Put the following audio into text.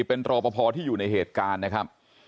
เป็นรอปภที่อยู่ในเหตุการณ์นะครับ